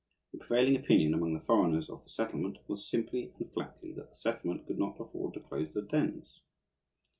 The prevailing opinion among the foreigners of "the settlement" was simply and flatly that the settlement could not afford to close the dens.